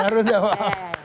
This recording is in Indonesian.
harus ya bang